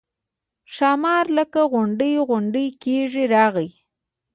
ښامار لکه غونډی غونډی کېږي راغی.